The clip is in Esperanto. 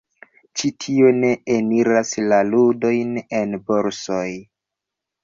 Ĉi tio ne eniras la ludojn en borsoj.